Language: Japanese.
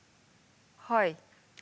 はい。